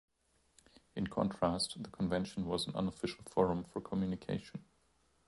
In contrast, the Convention was an unofficial forum for communication.